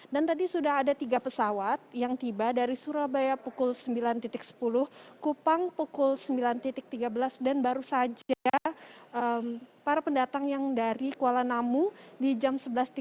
dan tadi sudah ada tiga pesawat yang tiba dari surabaya pukul sembilan sepuluh kupang pukul sembilan tiga belas dan baru saja para pendatang yang dari kuala namu di jam sebelas tiga puluh